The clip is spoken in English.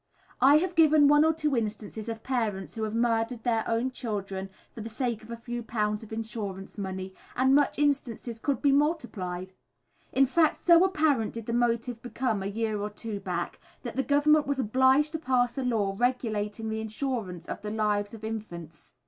I have given one or two instances of parents who murdered their own children for the sake of a few pounds of insurance money, and such instances could be multiplied. In fact, so apparent did the motive become a year or two back, that the Government was obliged to pass a law regulating the insurance of the lives of infants.